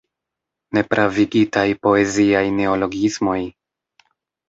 Nepravigitaj poeziaj neologismoj?